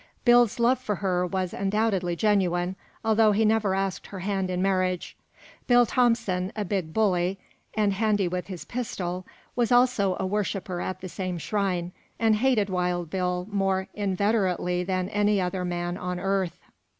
Bill's love for her was undoubtedly genuine, although he never asked her hand in marriage. Bill Thompson, a big bully, and handy with his pistol, was also a worshiper at the same shrine, and hated Wild Bill more inveterately than any other man on earth.